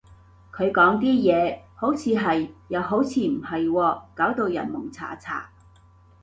佢講啲嘢，好似係，又好似唔係喎，搞到人矇查查